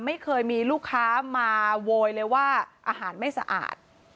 ไม่เคยมีลูกค้ามาโวยเลยว่าอาหารไม่สะอาด